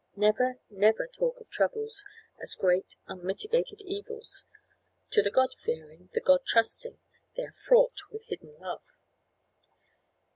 Never, never talk of troubles as great, unmitigated evils: to the God fearing, the God trusting, they are fraught with hidden love.